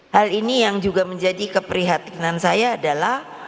hal ini yang juga menjadi keprihatinan saya adalah